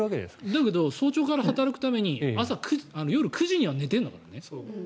だけど早朝から働くために夜９時には寝てるんだからね。